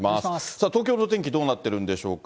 さあ、東京のお天気、どうなってるんでしょうか。